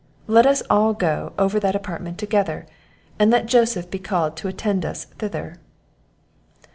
Let us all go over that apartment together; and let Joseph be called to attend us thither."